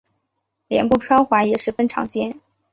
脸部穿环也十分常见。